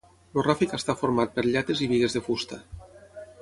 El ràfec està format per llates i bigues de fusta.